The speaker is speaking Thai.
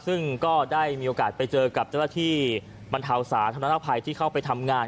ซึ่งก็ได้มีโอกาสไปเจอกับเจ้าหน้าที่บรรเทาสาธารณภัยที่เข้าไปทำงาน